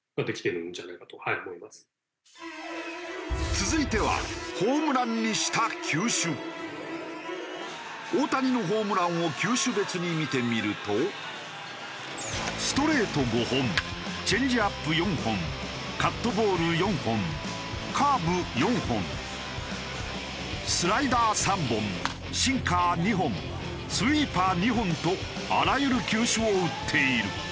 続いては大谷のホームランを球種別に見てみるとストレート５本チェンジアップ４本カットボール４本カーブ４本スライダー３本シンカー２本スイーパー２本とあらゆる球種を打っている。